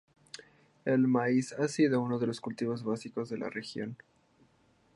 El maíz ha sido uno de los cultivos básicos de la región.